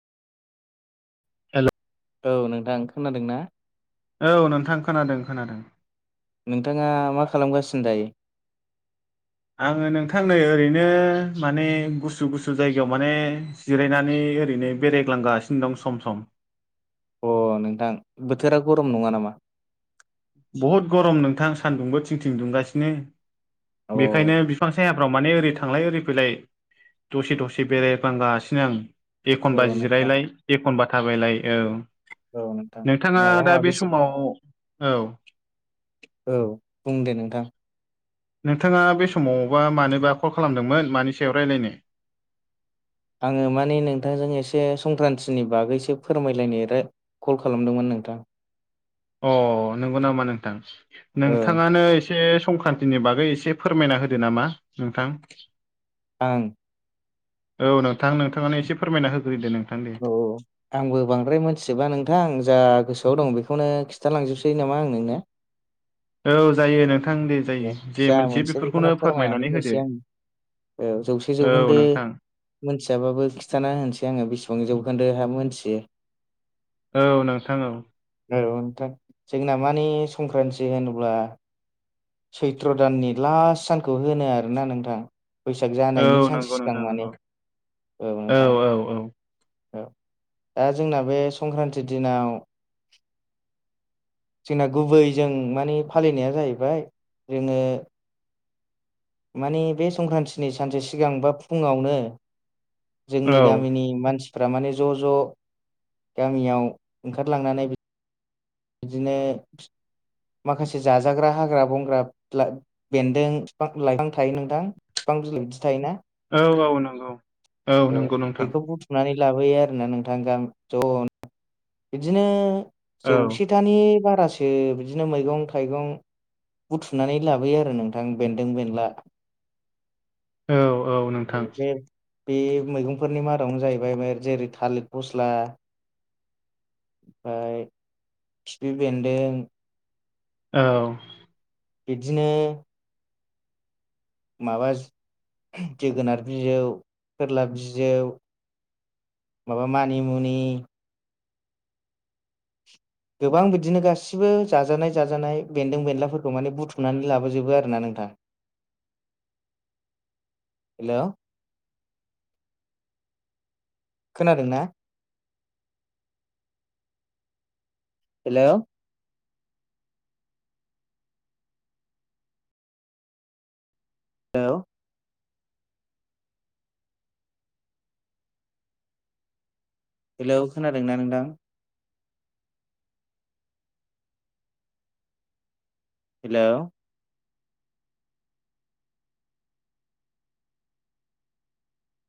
हेल' औ नोंथां खोनादों ना? औ नोंथां खोनादों खोनादों। नोंथाङा मा खालामगासिनो दायो? आंङो नोंथांनो ओरैनो माने गुसु गुसु जायगायाव माने जिरायनानै ओरैनो बेरायग्लांगासिनो दं सम सम। अ नोंथां बोथोरा गरम नङा नामा? बहुद गरम नोंथां सान्दुंबो थिं थिं दुंगासिनो अ बेखायनो बिफां सायाफ्राव माने ओरै थांलाय ओरै फैलाय दसे दसे बेरायफांगासिनो आं। औ एखनबा नोंथां जिरायलाय एखनबा थाबायलाय औ औ नोंथां नोंथाङा माबा दा बे माबिसो समाव औ औ बुं दे नोंथां नोंथाङा बे समावबा मानोबा कल खालामदोंमोन मानि सायाव रायज्लायनो आंङो माने नोंथांजों एसे संक्रान्तिनि बागैसो फोरमायलायनाय रा कल खालामदोंमोन नोंथां। अ नंगौ नामा नोंथां औ नोंथाङानो एसे संक्रान्तिनि बागै एसे फोरमायना होदो नामा नोंथां आं औ नोंथां नोंथाङानो एसे फोरमायना होग्रोदो नों औ आंबो बांद्राय मोनथिजोबा नोंथां। आं जा गोसोआव दं बेखौनो खिन्थालांजोबसै नामा आं नोंनो औ जायो नोंथां दे जायो जे जा मोनथि मोनसे बेखौनो बेफोरखौनो फोरमायनानै होनोसै होदो। आं औ जौसे औ जौखोन्दो नोंथां मोनथियाबाबो खिथाना होनोसै आंङो बेसेबां जौखोन्दो हा मोनथियो। औ नोंथां औ औ नोंथां जोंना मानि संक्रान्ति होनोब्ला सैथ्र' दाननि लास्ट सानखौ होनो आरोना नोंथां बैसाग जानायनि औ नंगौ सान्से सिगां नोंथां माने नंगौ औ नोंथां। औ औ औ दा जोंना बे संक्रान्ति दिनाव जोंना गुबैजों माने फालिनाया जाहैबाय जोंङो माने बे संक्रान्तिनि सानसे सिगां बा फुङावनो जोंनि औ गामिनि मानसिफ माने ज' ज' गामियाव ओंखारलांनानै बिदिनो माखासे जाजाग्रा हाग्रा बंग्रा ला बेन्दों बिफां लाइफां थायो नोंथां बिफां बिलाइ बिदि थायोना औ औ नंगौ औ नंगौ नोंथां। सुमनानै लाबोयो आरोना नोंथा गामि ज' बिदिनो औ जौसेथानि बारासो बिदिनो मैगं थाइगं बुथुमनानै लाबोयो आरो नोंथां बेन्दों बेनला औ औ नोंथां बे बे मैगंफोरनि मादावनो जाहैबाय जेरै थालिर फस्ला ओमफाय खिफि बेन्दों औ बिदिनो माबा जोगोनार बिजौ फोरलाब बिजौ माबा मानि मुनि गोबां बिदिनो गासिबो जाजानाय जाजानाय बेन्दों बेनलाफोरखौ माने बुथुमनानै लाबोजोबो आरो ना नोंथां। हेल' खोनादों ना? हेल' [unintelligible] हेलौ खोनादोंना नोंथां? हेल'